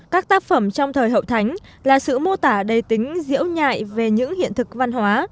các tác phẩm trong thời hậu thánh là sự mô tả đầy tính diễu nhại về những hiện thực văn hóa